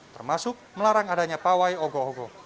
termasuk melarang adanya pawai ogoh ogo